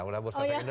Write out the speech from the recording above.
udah bursa indonesia